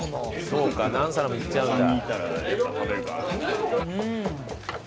そうか何皿もいっちゃうんだ。